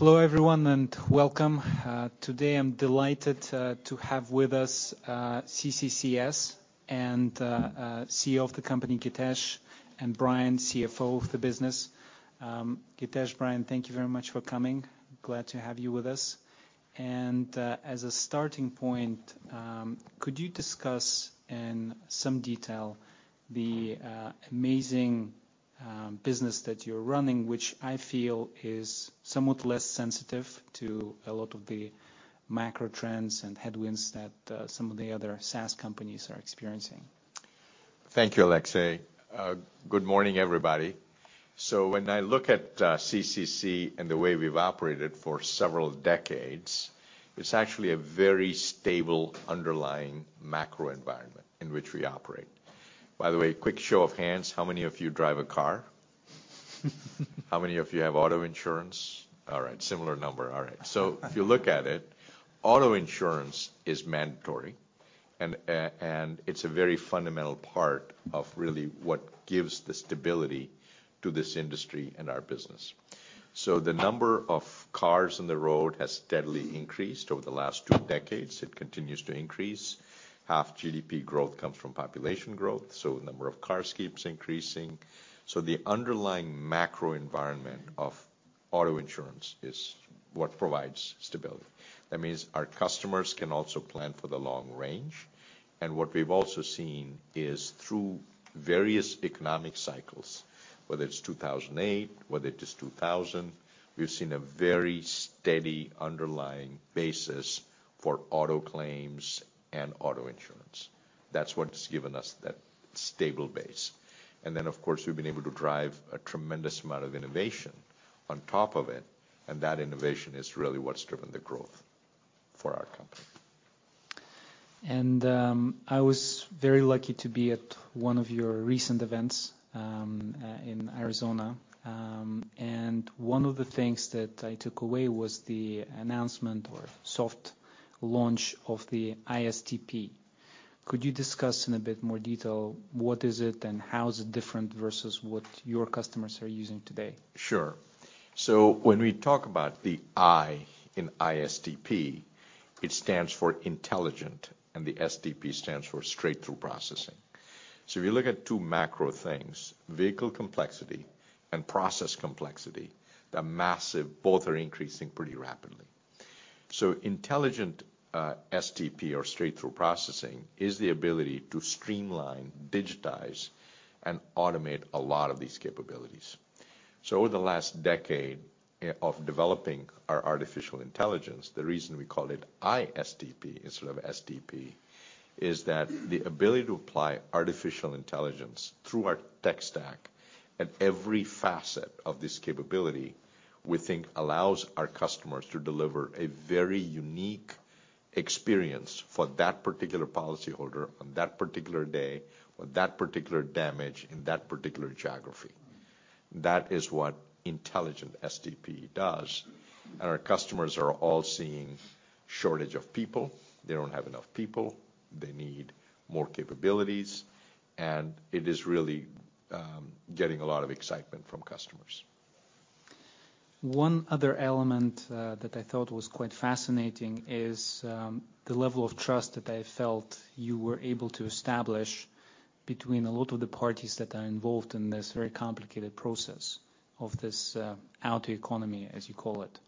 Hello everyone, and welcome. Today, I'm delighted to have with us, CCCS and CEO of the company, Githesh, and Brian, CFO of the business. Githesh, Brian, thank you very much for coming. Glad to have you with us. As a starting point, could you discuss in some detail the amazing business that you're running, which I feel is somewhat less sensitive to a lot of the macro trends and headwinds that some of the other SaaS companies are experiencing? Thank you, Alexei. Good morning, everybody. When I look at CCC and the way we've operated for several decades, it's actually a very stable underlying macro environment in which we operate. By the way, quick show of hands, how many of you drive a car? How many of you have auto insurance? All right, similar number. All right. If you look at it, auto insurance is mandatory and it's a very fundamental part of really what gives the stability to this industry and our business. The number of cars on the road has steadily increased over the last 2 decades. It continues to increase. Half GDP growth comes from population growth, so the number of cars keeps increasing. The underlying macro environment of auto insurance is what provides stability. That means our customers can also plan for the long range. What we've also seen is through various economic cycles, whether it's 2008, whether it is 2000, we've seen a very steady underlying basis for auto claims and auto insurance. That's what has given us that stable base. Of course, we've been able to drive a tremendous amount of innovation on top of it, and that innovation is really what's driven the growth for our company. I was very lucky to be at one of your recent events in Arizona. One of the things that I took away was the announcement or soft launch of the Estimate-STP. Could you discuss in a bit more detail what is it and how is it different versus what your customers are using today? Sure. When we talk about the I in ISTP, it stands for intelligent, and the STP stands for straight-through processing. If you look at two macro things, vehicle complexity and process complexity, they're massive. Both are increasing pretty rapidly. Intelligent STP or straight-through processing is the ability to streamline, digitize, and automate a lot of these capabilities. Over the last decade of developing our artificial intelligence, the reason we call it ISTP instead of STP, is that the ability to apply artificial intelligence through our tech stack at every facet of this capability, we think allows our customers to deliver a very unique experience for that particular policyholder on that particular day for that particular damage in that particular geography. That is what intelligent STP does. Our customers are all seeing shortage of people. They don't have enough people. They need more capabilities, it is really, getting a lot of excitement from customers. One other element, that I thought was quite fascinating is, the level of trust that I felt you were able to establish between a lot of the parties that are involved in this very complicated process of this, auto economy, as you call it.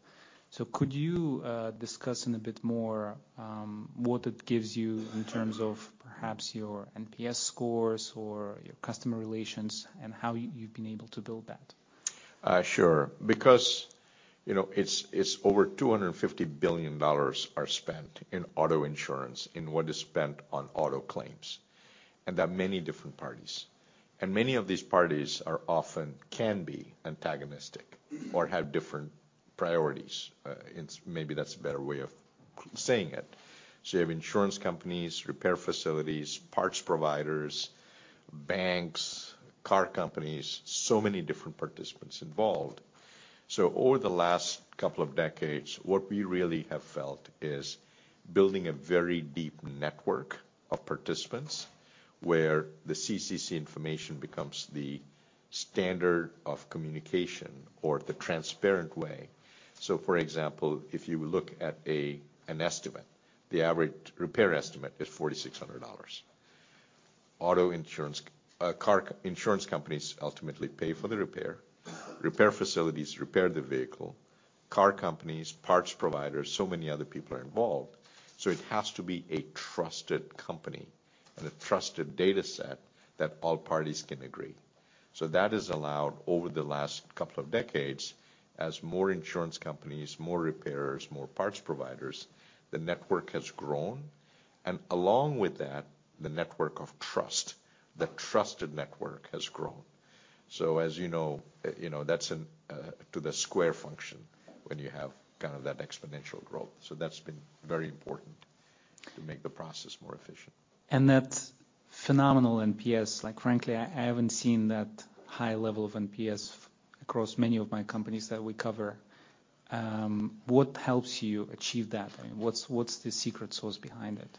Could you discuss in a bit more, what it gives you in terms of perhaps your NPS scores or your customer relations and how you've been able to build that? Sure. Because, you know, it's over $250 billion are spent in auto insurance, in what is spent on auto claims, there are many different parties. Many of these parties are often can be antagonistic or have different priorities. Maybe that's a better way of saying it. You have insurance companies, repair facilities, parts providers, banks, car companies, so many different participants involved. Over the last couple of decades, what we really have felt is building a very deep network of participants where the CCC information becomes the standard of communication or the transparent way. For example, if you look at a, an estimate, the average repair estimate is $4,600. Insurance companies ultimately pay for the repair. Repair facilities repair the vehicle. Car companies, parts providers, so many other people are involved. It has to be a trusted company and a trusted data set that all parties can agree. That has allowed over the last couple of decades, as more insurance companies, more repairers, more parts providers, the network has grown, and along with that, the network of trust, the trusted network has grown. As you know, you know, that's an to the square function when you have kind of that exponential growth. That's been very important to make the process more efficient. That phenomenal NPS, like frankly, I haven't seen that high level of NPS across many of my companies that we cover. What helps you achieve that? I mean, what's the secret sauce behind it?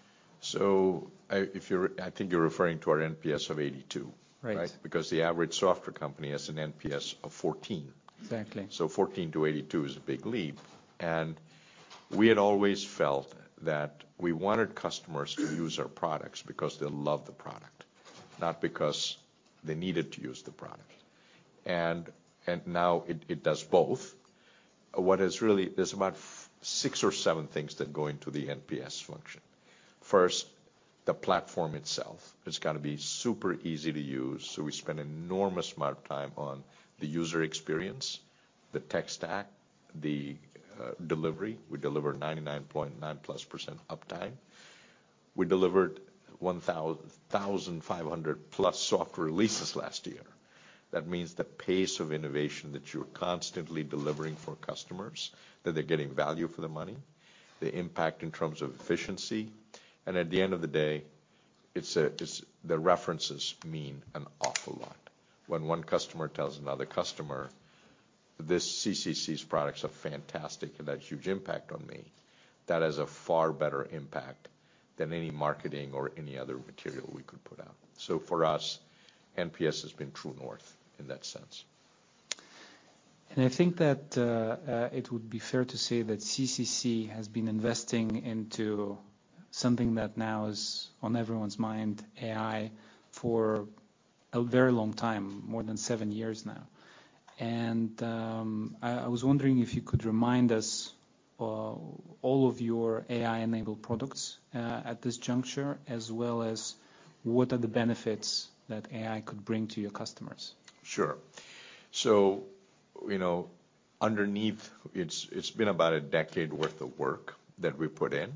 I think you're referring to our NPS of 82. Right. Right? Because the average software company has an NPS of 14. Exactly. 14 to 82 is a big leap. We had always felt that we wanted customers to use our products because they love the product, not because they needed to use the product. Now it does both. There's about six or seven things that go into the NPS function. First, the platform itself. It's gotta be super easy to use, so we spend an enormous amount of time on the user experience, the tech stack, the delivery. We deliver 99.9%+ uptime. We delivered 1,500+ software releases last year. That means the pace of innovation that you're constantly delivering for customers, that they're getting value for their money, the impact in terms of efficiency, and at the end of the day, it's the references mean an awful lot. When one customer tells another customer, "This CCC's products are fantastic and had huge impact on me," that has a far better impact than any marketing or any other material we could put out. For us, NPS has been true north in that sense. I think that it would be fair to say that CCC has been investing into something that now is on everyone's mind, AI, for a very long time, more than seven years now. I was wondering if you could remind us all of your AI-enabled products at this juncture, as well as what are the benefits that AI could bring to your customers? Sure. you know, underneath, it's been about a decade worth of work that we've put in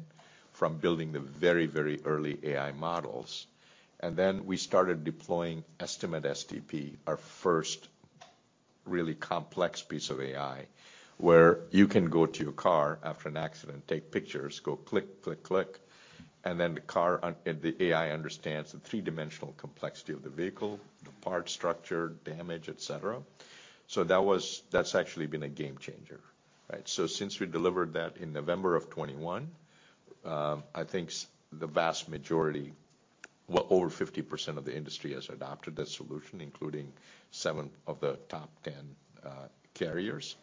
from building the very, very early AI models. We started deploying Estimate-STP, our first really complex piece of AI, where you can go to your car after an accident, take pictures, go click, click, and then the AI understands the three-dimensional complexity of the vehicle, the parts, structure, damage, et cetera. That's actually been a game changer, right? Since we delivered that in November of 2021, I think the vast majority, well, over 50% of the industry has adopted that solution, including seven of the top 10 carriers.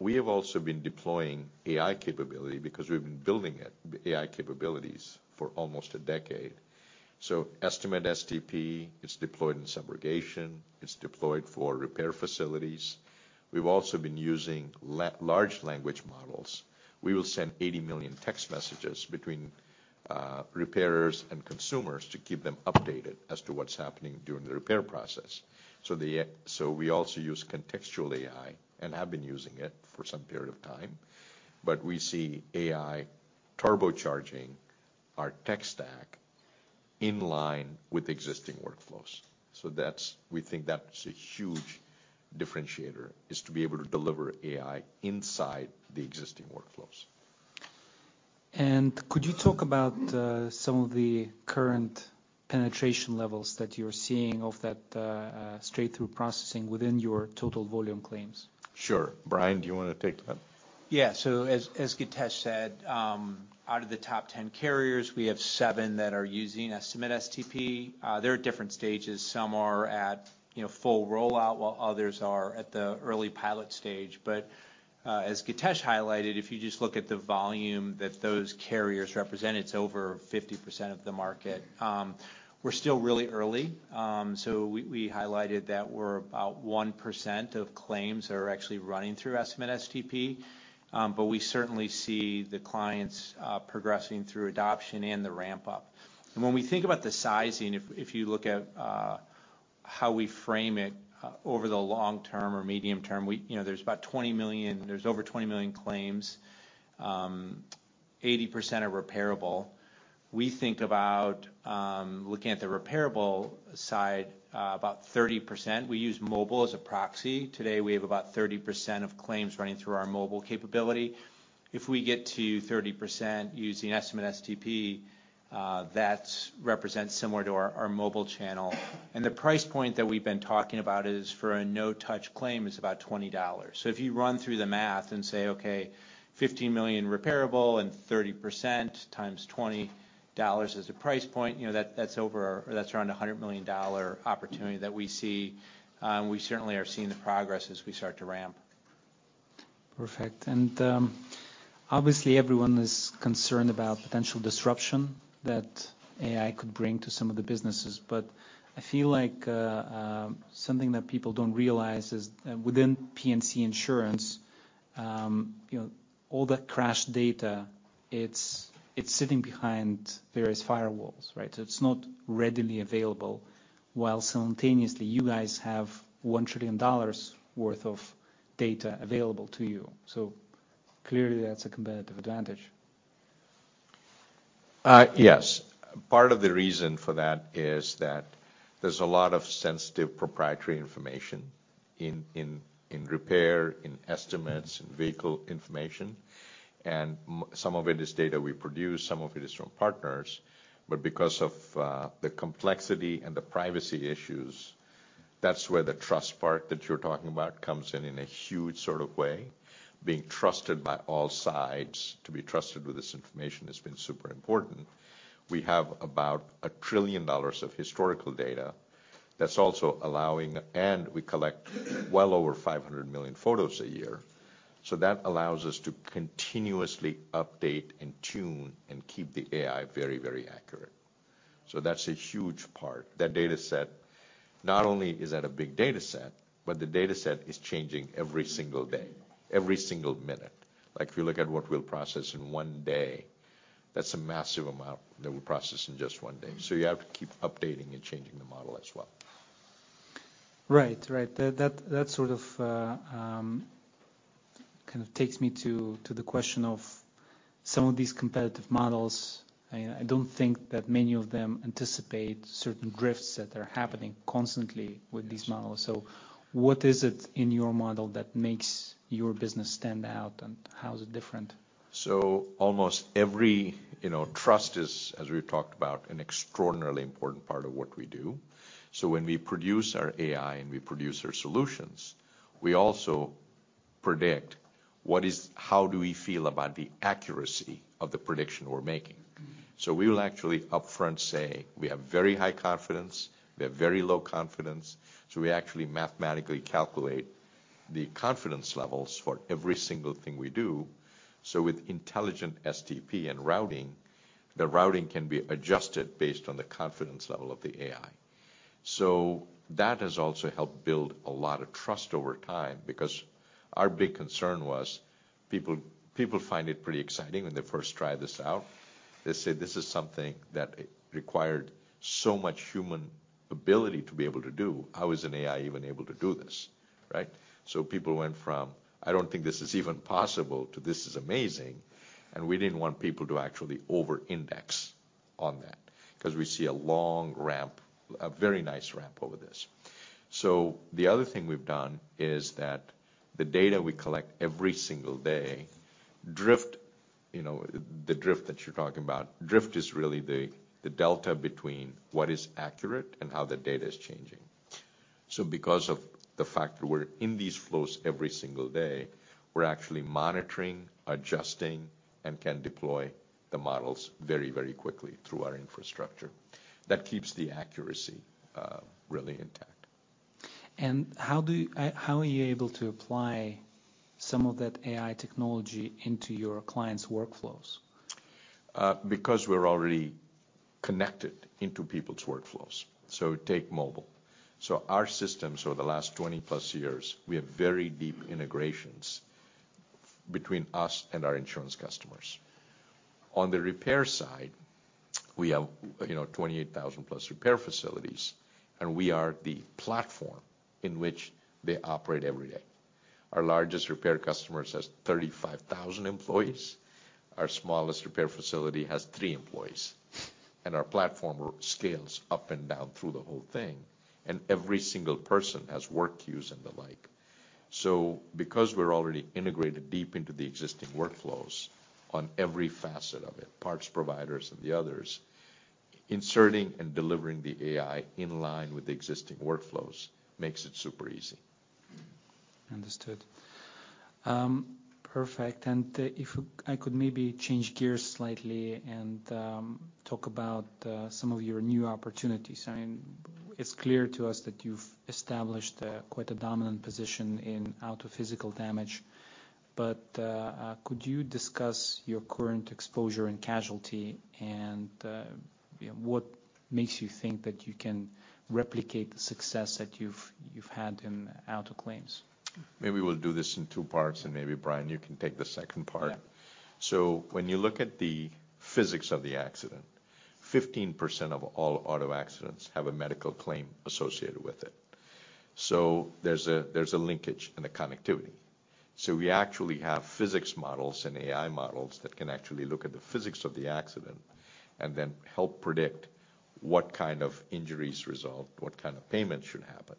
We have also been deploying AI capability because we've been building it, AI capabilities, for almost a decade. Estimate-STP, it's deployed in subrogation, it's deployed for repair facilities. We've also been using large language models. We will send 80 million text messages between repairers and consumers to keep them updated as to what's happening during the repair process. We also use contextual AI and have been using it for some period of time, but we see AI turbocharging our tech stack in line with existing workflows. We think that's a huge differentiator, is to be able to deliver AI inside the existing workflows. Could you talk about some of the current penetration levels that you're seeing of that straight-through processing within your total volume claims? Sure. Brian, do you wanna take that? Yeah. As, as Githesh said, out of the top 10 carriers, we have seven that are using Estimate-STP. They're at different stages. Some are at, you know, full rollout, while others are at the early pilot stage. As Githesh highlighted, if you just look at the volume that those carriers represent, it's over 50% of the market. We're still really early, we highlighted that we're about 1% of claims are actually running through Estimate-STP, we certainly see the clients progressing through adoption and the ramp-up. When we think about the sizing, if you look at how we frame it over the long term or medium term, we, you know, there's over 20 million claims, 80% are repairable. We think about looking at the repairable side, about 30%. We use mobile as a proxy. Today, we have about 30% of claims running through our mobile capability. If we get to 30% using Estimate-STP, that represents similar to our mobile channel. The price point that we've been talking about is for a no-touch claim is about $20. If you run through the math and say, okay, $15 million repairable and 30% times $20 as a price point, you know, that's over or that's around a $100 million opportunity that we see, and we certainly are seeing the progress as we start to ramp. Perfect. Obviously everyone is concerned about potential disruption that AI could bring to some of the businesses, but I feel like something that people don't realize is within P&C Insurance, you know, all the crash data, it's sitting behind various firewalls, right? It's not readily available, while simultaneously you guys have $1 trillion worth of data available to you. Clearly that's a competitive advantage. Yes. Part of the reason for that is that there's a lot of sensitive proprietary information in repair, in estimates, in vehicle information, and some of it is data we produce, some of it is from partners. But because of the complexity and the privacy issues. That's where the trust part that you're talking about comes in in a huge sort of way. Being trusted by all sides to be trusted with this information has been super important. We have about $1 trillion of historical data that's also allowing. We collect well over 500 million photos a year. That allows us to continuously update and tune and keep the AI very, very accurate. That's a huge part. That data set, not only is that a big data set, but the data set is changing every single day, every single minute. Like, if you look at what we'll process in one day, that's a massive amount that we process in just one day. You have to keep updating and changing the model as well. Right. That sort of, kind of takes me to the question of some of these competitive models. I don't think that many of them anticipate certain drifts that are happening constantly with these models. What is it in your model that makes your business stand out, and how is it different? Almost every, you know, trust is, as we've talked about, an extraordinarily important part of what we do. When we produce our AI and we produce our solutions, we also predict how do we feel about the accuracy of the prediction we're making. Mm-hmm. We will actually upfront say, "We have very high confidence. We have very low confidence." We actually mathematically calculate the confidence levels for every single thing we do. With intelligent STP and routing, the routing can be adjusted based on the confidence level of the AI. That has also helped build a lot of trust over time because our big concern was people find it pretty exciting when they first try this out. They say, "This is something that required so much human ability to be able to do. How is an AI even able to do this?" Right? People went from, "I don't think this is even possible," to, "This is amazing." We didn't want people to actually over-index on that 'cause we see a long ramp, a very nice ramp over this. The other thing we've done is that the data we collect every single day drift, you know, the drift that you're talking about. Drift is really the delta between what is accurate and how the data is changing. Because of the fact that we're in these flows every single day, we're actually monitoring, adjusting, and can deploy the models very, very quickly through our infrastructure. That keeps the accuracy really intact. How are you able to apply some of that AI technology into your clients' workflows? Because we're already connected into people's workflows. Take mobile. Our systems over the last 20+ years, we have very deep integrations between us and our insurance customers. On the repair side, we have, you know, 28,000+ repair facilities, and we are the platform in which they operate every day. Our largest repair customer has 35,000 employees. Our smallest repair facility has three employees. Our platform scales up and down through the whole thing, and every single person has work queues and the like. Because we're already integrated deep into the existing workflows on every facet of it, parts providers and the others, inserting and delivering the AI in line with the existing workflows makes it super easy. Understood. Perfect. If I could maybe change gears slightly and talk about some of your new opportunities. I mean, it's clear to us that you've established quite a dominant position in auto physical damage. Could you discuss your current exposure and casualty and, you know, what makes you think that you can replicate the success that you've had in auto claims? Maybe we'll do this in two parts, and maybe Brian, you can take the second part. Yeah. When you look at the physics of the accident, 15% of all auto accidents have a medical claim associated with it. There's a linkage and a connectivity. We actually have physics models and AI models that can actually look at the physics of the accident and then help predict what kind of injuries result, what kind of payment should happen.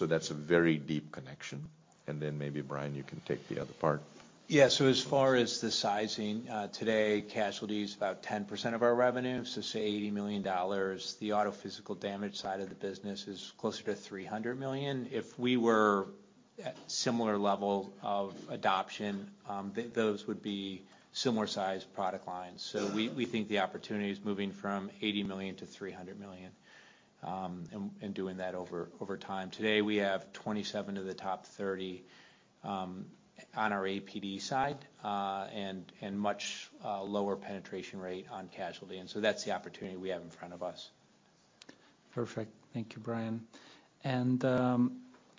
That's a very deep connection. Then maybe, Brian, you can take the other part. Yeah. As far as the sizing, today, casualty is about 10% of our revenue, say $80 million. The auto physical damage side of the business is closer to $300 million. If we were at similar level of adoption, those would be similar-sized product lines. We think the opportunity is moving from $80 million-$300 million, and doing that over time. Today, we have 27 of the top 30 on our APD side, and much lower penetration rate on casualty. That's the opportunity we have in front of us. Perfect. Thank you, Brian.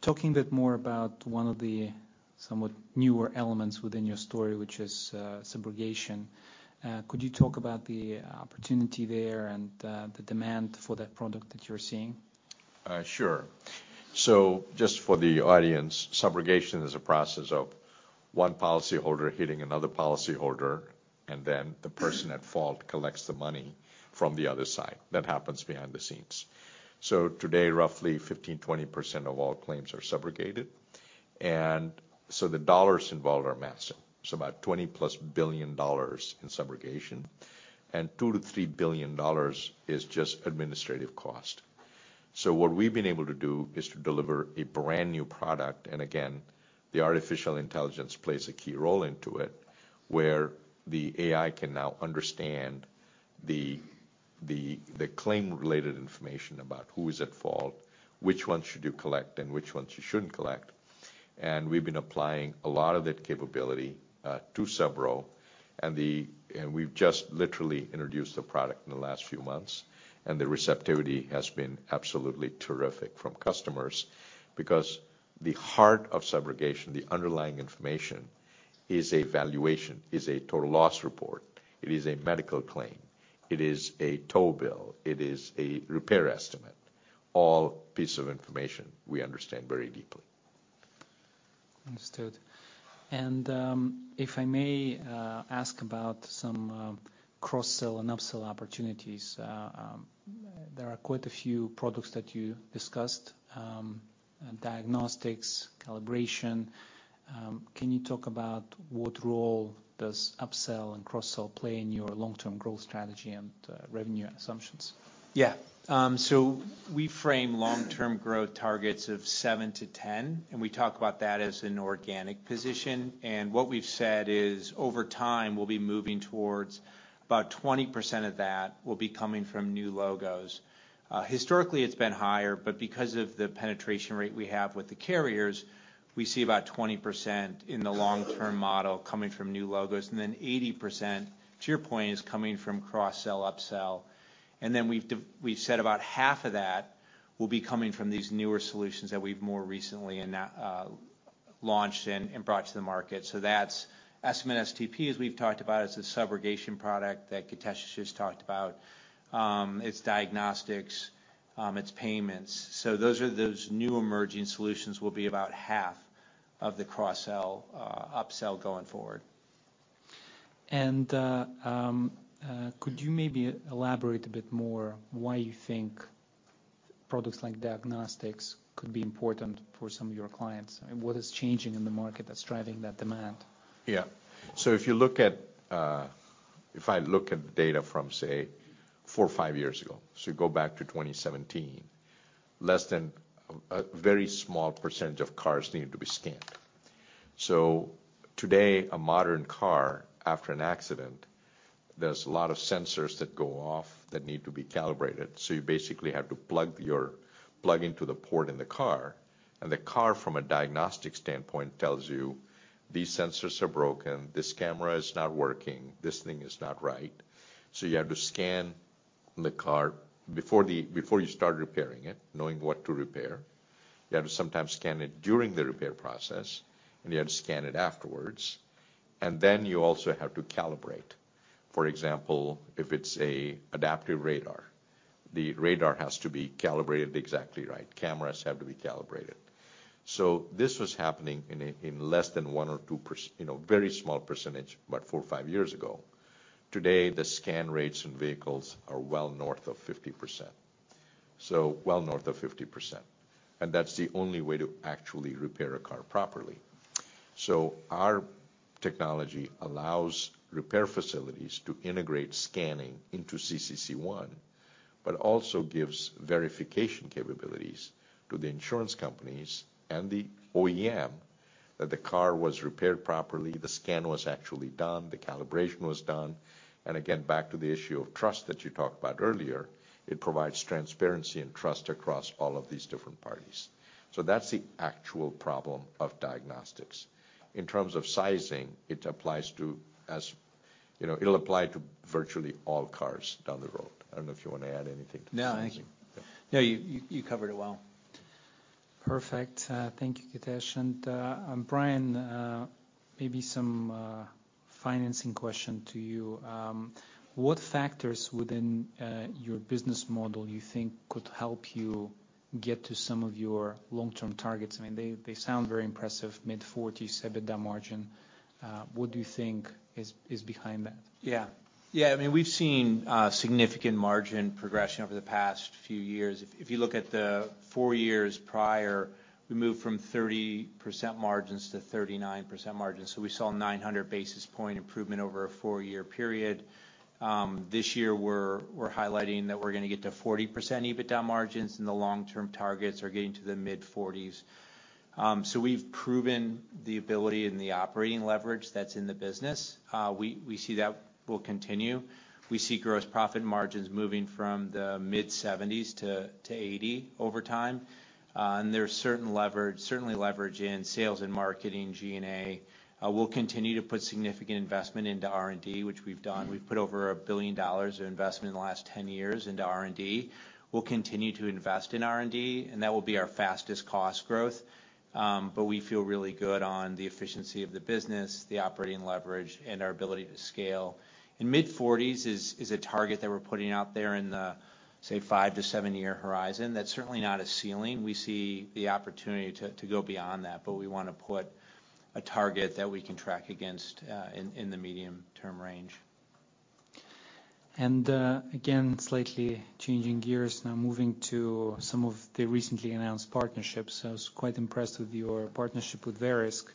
Talking a bit more about one of the somewhat newer elements within your story, which is subrogation, could you talk about the opportunity there and the demand for that product that you're seeing? Sure. Just for the audience, subrogation is a process of one policyholder hitting another policyholder, and then the person at fault collects the money from the other side. That happens behind the scenes. Today, roughly 15%, 20% of all claims are subrogated. The dollars involved are massive. About $20+ billion in subrogation. $2 billion- $3 billion is just administrative cost. What we've been able to do is to deliver a brand new product, and again, the artificial intelligence plays a key role into it, where the AI can now understand the claim-related information about who is at fault, which ones should you collect, and which ones you shouldn't collect. We've been applying a lot of that capability to subro. We've just literally introduced the product in the last few months, and the receptivity has been absolutely terrific from customers. The heart of subrogation, the underlying information is a valuation, is a total loss report, it is a medical claim, it is a tow bill, it is a repair estimate, all pieces of information we understand very deeply. Understood. If I may ask about some cross-sell and upsell opportunities. There are quite a few products that you discussed, diagnostics, Calibration. Can you talk about what role does upsell and cross-sell play in your long-term growth strategy and revenue assumptions? We frame long-term growth targets of 7%-10%, and we talk about that as an organic position. What we've said is, over time, we'll be moving towards about 20% of that will be coming from new logos. Historically it's been higher, because of the penetration rate we have with the carriers, we see about 20% in the long-term model coming from new logos, 80%, to your point, is coming from cross-sell, upsell. Then we've said about half of that will be coming from these newer solutions that we've more recently launched and brought to the market. That's Estimate-STP, as we've talked about, it's a subrogation product that Githesh just talked about. It's diagnostics, it's payments. Those new emerging solutions will be about half of the cross-sell, upsell going forward. Could you maybe elaborate a bit more why you think products like diagnostics could be important for some of your clients, and what is changing in the market that's driving that demand? Yeah. If you look at, if I look at the data from, say, four or five years ago, you go back to 2017, less than a very small percentage of cars needed to be scanned. Today, a modern car after an accident, there's a lot of sensors that go off that need to be calibrated. You basically have to plug your plug into the port in the car, the car from a diagnostic standpoint tells you, "These sensors are broken. This camera is not working. This thing is not right." You have to scan the car before you start repairing it, knowing what to repair. You have to sometimes scan it during the repair process, you have to scan it afterwards. You also have to calibrate. For example, if it's a adaptive radar, the radar has to be calibrated exactly right. Cameras have to be calibrated. This was happening in less than 1% or 2%, you know, a very small percentage, about four or five years ago. Today, the scan rates in vehicles are well north of 50%, and that's the only way to actually repair a car properly. Our technology allows repair facilities to integrate scanning into CCC ONE, but also gives verification capabilities to the insurance companies and the OEM that the car was repaired properly, the scan was actually done, the calibration was done. Again, back to the issue of trust that you talked about earlier, it provides transparency and trust across all of these different parties. That's the actual problem of diagnostics. In terms of sizing, it applies to as, you know, it'll apply to virtually all cars down the road. I don't know if you wanna add anything to that? No. Thank you. Yeah. No. You covered it well. Perfect. Thank you, Githesh. Brian, maybe some financing question to you. What factors within your business model you think could help you get to some of your long-term targets? I mean, they sound very impressive, mid-40s EBITDA margin. What do you think is behind that? I mean, we've seen significant margin progression over the past few years. If you look at the four years prior, we moved from 30% margins to 39% margins. We saw 900 basis point improvement over a four-year period. This year we're highlighting that we're gonna get to 40% EBITDA margins, and the long-term targets are getting to the mid-40s%. We've proven the ability and the operating leverage that's in the business. We see that will continue. We see gross profit margins moving from the mid-70s% to 80% over time. There's certainly leverage in sales and marketing, G&A. We'll continue to put significant investment into R&D, which we've done. We've put over $1 billion of investment in the last 10 years into R&D. We'll continue to invest in R&D, and that will be our fastest cost growth. We feel really good on the efficiency of the business, the operating leverage, and our ability to scale. Mid-40s% is a target that we're putting out there in the, say, five to seven-year horizon. That's certainly not a ceiling. We see the opportunity to go beyond that, but we wanna put a target that we can track against in the medium-term range. Again, slightly changing gears now, moving to some of the recently announced partnerships. I was quite impressed with your partnership with Verisk.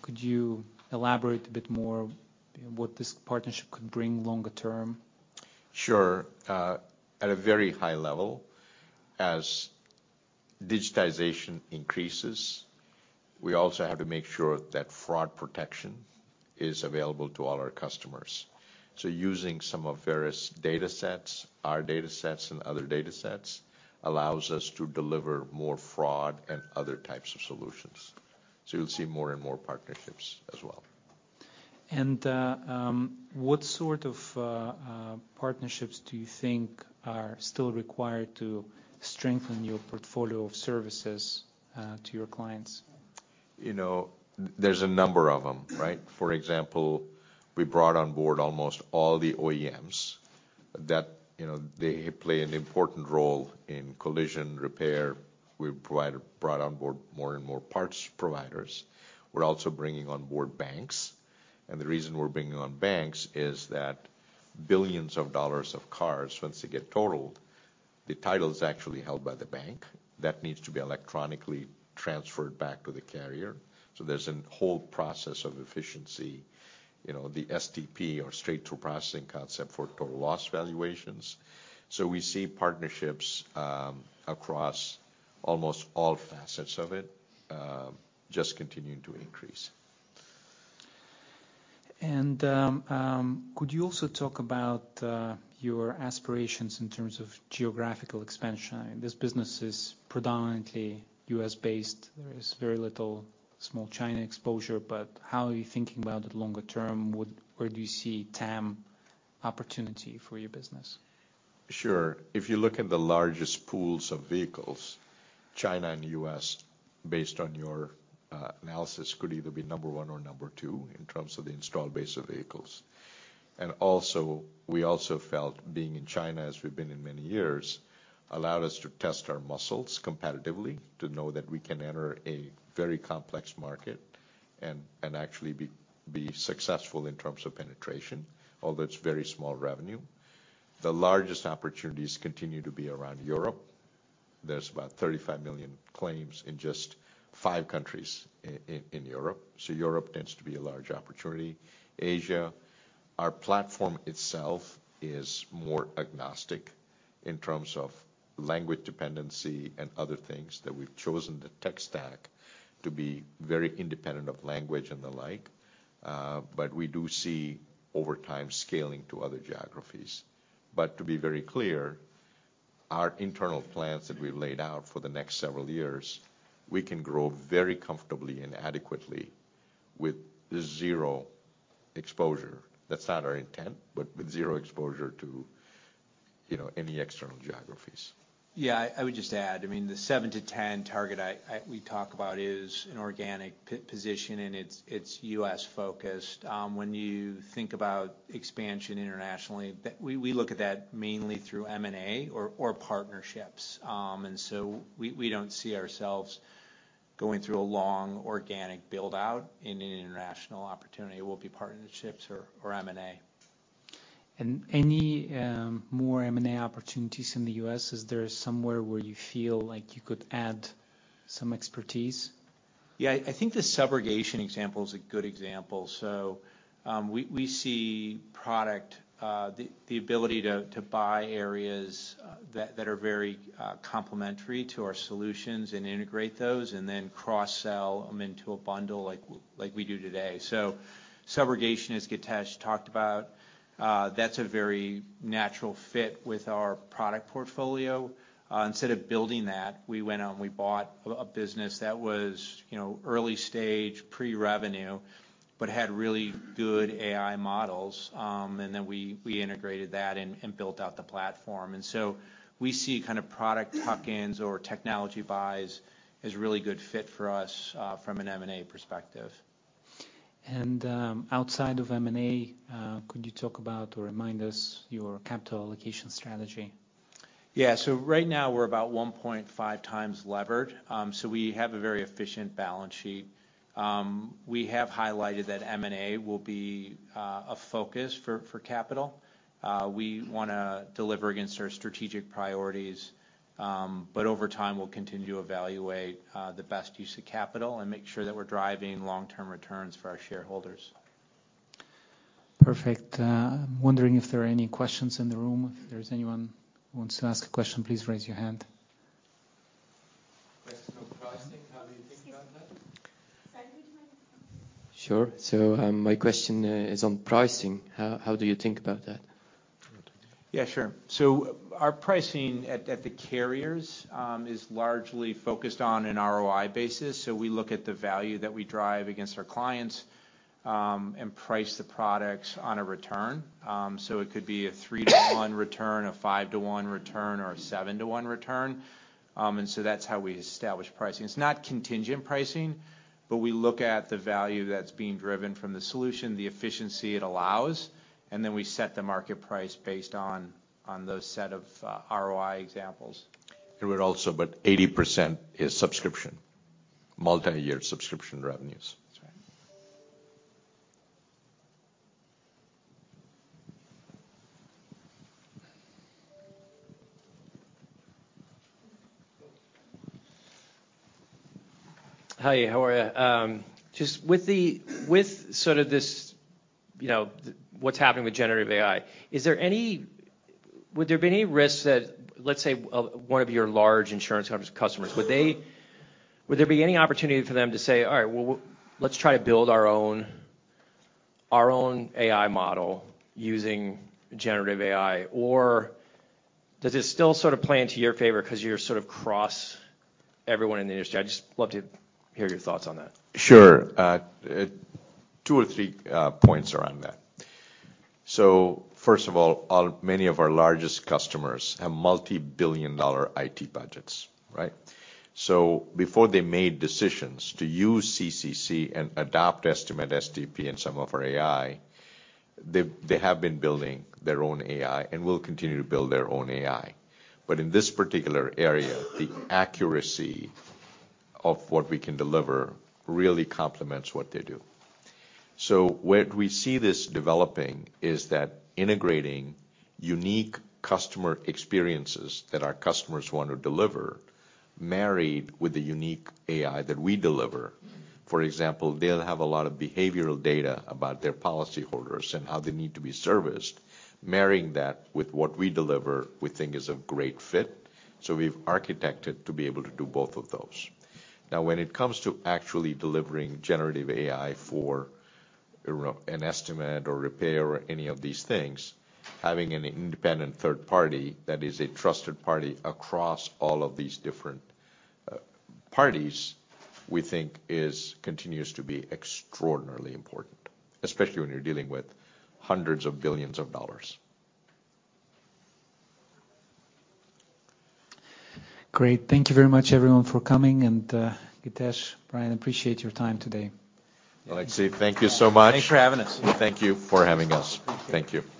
Could you elaborate a bit more what this partnership could bring longer term? Sure. At a very high level. As digitization increases, we also have to make sure that fraud protection is available to all our customers. Using some of Verisk datasets, our datasets and other datasets, allows us to deliver more fraud and other types of solutions. You'll see more and more partnerships as well. What sort of partnerships do you think are still required to strengthen your portfolio of services to your clients? You know, there's a number of them, right? For example, we brought on board almost all the OEMs that, you know, they play an important role in collision repair. We brought on board more and more parts providers. We're also bringing on board banks. The reason we're bringing on banks is that billions of dollars of cars, once they get totaled, the title is actually held by the bank. That needs to be electronically transferred back to the carrier. There's a whole process of efficiency, you know, the STP or straight-through processing concept for total loss valuations. We see partnerships across almost all facets of it, just continuing to increase. Could you also talk about your aspirations in terms of geographical expansion? This business is predominantly U.S.-based. There is very little small China exposure, but how are you thinking about it longer term? Where do you see TAM opportunity for your business? Sure. If you look at the largest pools of vehicles, China and U.S., based on your analysis, could either be number one or number two in terms of the installed base of vehicles. We also felt being in China as we've been in many years, allowed us to test our muscles competitively to know that we can enter a very complex market and actually be successful in terms of penetration, although it's very small revenue. The largest opportunities continue to be around Europe. There's about 35 million claims in just five countries in Europe, so Europe tends to be a large opportunity. Asia, our platform itself is more agnostic in terms of language dependency and other things that we've chosen the tech stack to be very independent of language and the like. We do see over time scaling to other geographies. To be very clear, our internal plans that we laid out for the next several years, we can grow very comfortably and adequately with zero exposure. That's not our intent. With zero exposure to, you know, any external geographies. Yeah. I would just add, I mean, the seven to 10 target we talk about is an organic position, it's U.S.-focused. When you think about expansion internationally, we look at that mainly through M&A or partnerships. We don't see ourselves going through a long organic build-out in an international opportunity. It will be partnerships or M&A. Any more M&A opportunities in the U.S.? Is there somewhere where you feel like you could add some expertise? Yeah. I think the subrogation example is a good example. We see product, the ability to buy areas, that are very, complementary to our solutions and integrate those and then cross-sell them into a bundle like we do today. Subrogation, as Githesh talked about, that's a very natural fit with our product portfolio. Instead of building that, we went out and we bought a business that was, you know, early stage, pre-revenue, but had really good AI models. We integrated that and built out the platform. We see kind of product tuck-ins or technology buys as a really good fit for us, from an M&A perspective. Outside of M&A, could you talk about or remind us your capital allocation strategy? Yeah. Right now we're about 1.5x levered. We have a very efficient balance sheet. We have highlighted that M&A will be a focus for capital. We wanna deliver against our strategic priorities, but over time, we'll continue to evaluate the best use of capital and make sure that we're driving long-term returns for our shareholders. Perfect. I'm wondering if there are any questions in the room. If there's anyone who wants to ask a question, please raise your hand. Question on pricing, how do you think about that? Sure. Sure. My question is on pricing. How do you think about that? Yeah, sure. Our pricing at the carriers is largely focused on an ROI basis. We look at the value that we drive against our clients and price the products on a return. It could be a 3:1 return, a 5:1 return, or a 7:1 return. That's how we establish pricing. It's not contingent pricing, we look at the value that's being driven from the solution, the efficiency it allows, and then we set the market price based on those set of ROI examples. It would also, 80% is subscription, multiyear subscription revenues. That's right. Hi, how are you? Just with the, with sort of this, you know, what's happening with generative AI, would there be any risks that, let's say, one of your large insurance customers, would there be any opportunity for them to say, "All right. Well, let's try to build our own AI model using generative AI"? Or does it still sort of play into your favor 'cause you're sort of cross everyone in the industry? I'd just love to hear your thoughts on that. Sure. Two or three3 points around that. First of all, many of our largest customers have multi-billion dollar IT budgets, right? Before they made decisions to use CCC and adopt Estimate-STP, and some of our AI, they have been building their own AI and will continue to build their own AI. In this particular area, the accuracy of what we can deliver really complements what they do. Where we see this developing is that integrating unique customer experiences that our customers want to deliver married with the unique AI that we deliver. For example, they'll have a lot of behavioral data about their policyholders and how they need to be serviced. Marrying that with what we deliver we think is a great fit, we've architected to be able to do both of those. Now, when it comes to actually delivering generative AI for, you know, an estimate or repair or any of these things, having an independent third party that is a trusted party across all of these different parties, we think continues to be extraordinarily important, especially when you're dealing with hundreds of billions of dollars. Great. Thank you very much, everyone, for coming. Githesh, Brian, appreciate your time today. Alexei, thank you so much. Thanks for having us. Thank you for having us. Thank you. Thank you.